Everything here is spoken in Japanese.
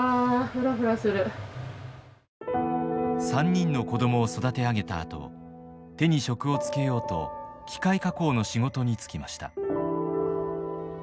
３人の子供を育て上げたあと手に職をつけようと機械加工の仕事に就きました。